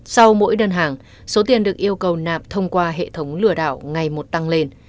sau mỗi đơn hàng số tiền được yêu cầu nạp thông qua hệ thống lừa đảo ngày một tăng lên